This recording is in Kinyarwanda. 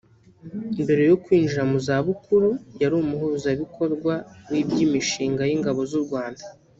Mbere yo kwinjira mu zabukuru yari Umuhuzabikorwa w’iby’imishinga y’Ingabo z’U Rwanda